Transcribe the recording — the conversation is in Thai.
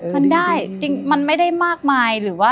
มันได้จริงมันไม่ได้มากมาย